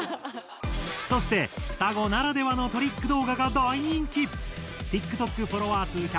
そして双子ならではのトリック動画が大人気！